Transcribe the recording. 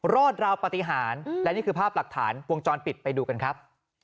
รอดราวปฏิหารและนี่คือภาพหลักฐานวงจรปิดไปดูกันครับ